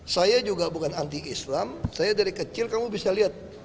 saya juga bukan anti islam saya dari kecil kamu bisa lihat